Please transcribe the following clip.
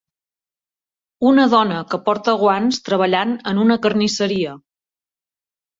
Una dona que porta guants treballant en una carnisseria